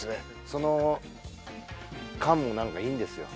その何かいいんですよ